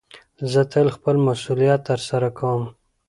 زه تل خپل مسئولیت ترسره کوم.